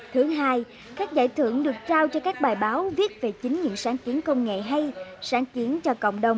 thứ hai các giải thưởng được trao cho các bài báo viết về chính những sáng kiến công nghệ hay sáng kiến cho cộng đồng